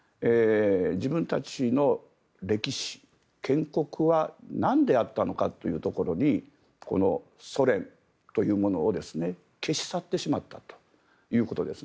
自分たちの歴史、建国はなんであったのかというところにこのソ連というものを消し去ってしまったということです。